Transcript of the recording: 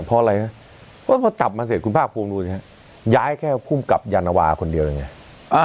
พอจับมาเสร็จคุณพกษพลวงหนูนี่ย้ายแค่ผู้กำกับยานวาคกลิ่นนี่